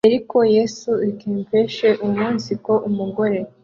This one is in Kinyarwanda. eriko Yesu ikemfeshe umunsiko umugore